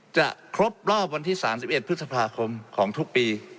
จะครบรอบวันที่๓๑พฤษภาคมของทุกปี